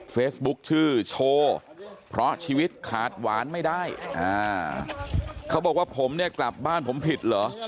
ชื่อโชว์เพราะชีวิตขาดหวานไม่ได้เขาบอกว่าผมเนี่ยกลับบ้านผมผิดเหรอ